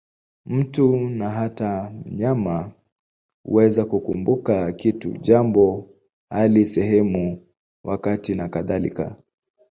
Mtu, na hata mnyama, huweza kukumbuka kitu, jambo, hali, sehemu, wakati nakadhalika.